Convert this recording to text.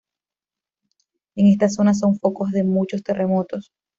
En esta zona, son focos de muchos terremotos.